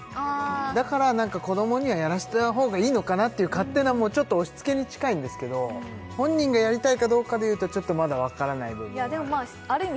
だから子どもにはやらせたほうがいいのかなっていう勝手なちょっと押しつけに近いんですけど本人がやりたいかどうかでいうとまだ分からない部分もあるでもある意味